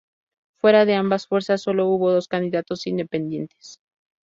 Fuera de ambas fuerzas solo hubo dos candidatos independientes.